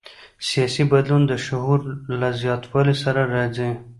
سیاسي بدلون د شعور له زیاتوالي سره راځي